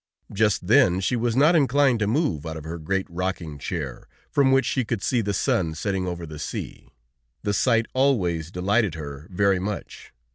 Just then she was not inclined to move out of her great rocking chair, from which she could see the sun setting over the sea. The sight always delighted her very much.